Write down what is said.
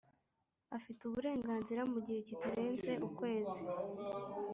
afite uburenganzira mu gihe kitarenze ukwezi.